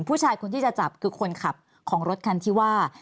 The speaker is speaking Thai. ผู้ชายคนที่จะจับคือคนขับของรถคันที่ว่า